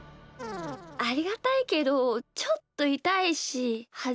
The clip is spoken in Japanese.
ありがたいけどちょっといたいしはずかしいんだよな。